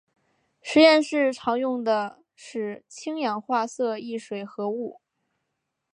实验室常用的是氢氧化铯一水合物。